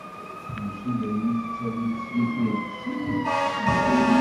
Mačči d ayen i tettawi teslit di lqecc-is i d ṣṣeḥ.